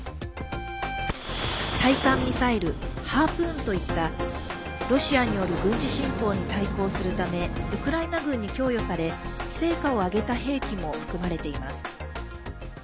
対艦ミサイル「ハープーン」といったロシアによる軍事侵攻に対抗するためウクライナ軍に供与され成果を上げた兵器も含まれています。